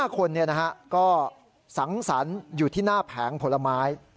๕คนก็สังสรรค์อยู่ที่หน้าแผงผลไม้